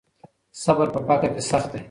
صبر په فقر کې سخت دی.